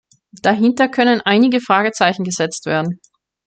Dahinter können einige Fragezeichen gesetzt werden.